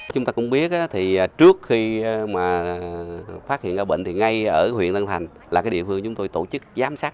chúng ta cũng biết trước khi phát hiện bệnh ngay ở huyện tân thành là địa phương chúng tôi tổ chức giám sát